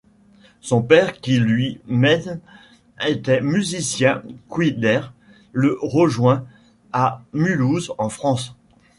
Son père qui, lui-même était musicien, Kouider le rejoint à Mulhouse en France.